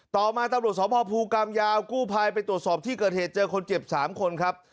ต่อมาตำรวจสภภูกรรมยาวกู้ภัยไปตรวจสอบที่เกิดเหตุเจอคนเจ็บ๓คนครับ